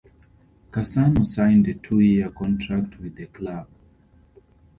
Cassano signed a two-year contract with the club.